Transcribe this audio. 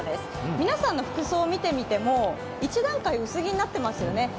皆さんの服装を見てみても１段階、薄着になっていますよね。